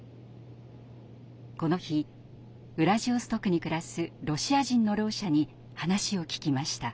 この日ウラジオストクに暮らすロシア人のろう者に話を聞きました。